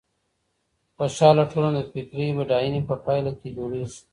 خوشحاله ټولنه د فکري بډاينې په پايله کي جوړېږي.